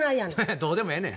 どうでもええねん。